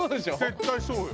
絶対そうよ。